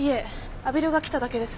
阿比留が来ただけです。